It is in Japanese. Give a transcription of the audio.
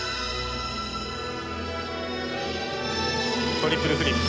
トリプルフリップ。